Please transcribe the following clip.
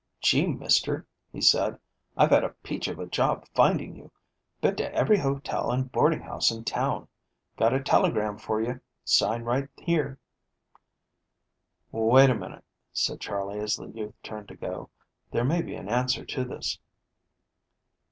"Gee, Mister," he said, "I've had a peach of a job finding you. Been to every hotel and boarding house in town. Got a telegram for you. Sign right here." "Wait a minute," said Charley, as the youth turned to go. "There may be an answer to this."